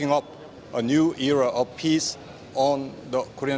untuk menemukan era keamanan yang baru